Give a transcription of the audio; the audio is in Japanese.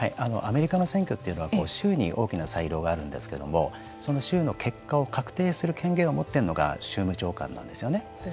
アメリカの選挙というのは州に大きな裁量があるんですけれどもその州の結果を確定する権限を持っているのが州務長官なんですよね。